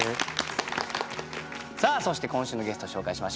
さあそして今週のゲストを紹介しましょう。